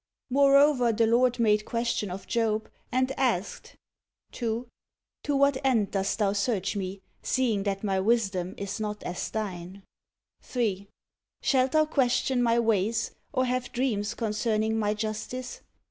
Moreover, the Lord made question of Job, and asked, 2. To what end dost thou search Me, seeing that My wisdom is not as thine ^ 3. Shalt thou question My ways, or have dreams concerning My justice*?